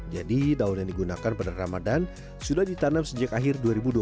jadi daun yang digunakan pada ramadhan sudah ditanam sejak akhir dua ribu dua puluh tiga